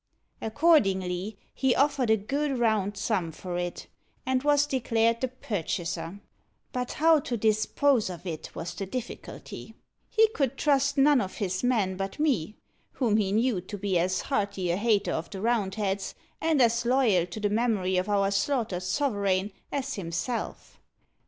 Accordingly, he offered a good round sum for it, and was declared the purchaser. But how to dispose of it was the difficulty? He could trust none of his men but me, whom he knew to be as hearty a hater of the Roundheads, and as loyal to the memory of our slaughtered sovereign, as himself.